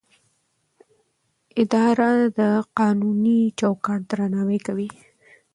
اداره د قانوني چوکاټ درناوی کوي.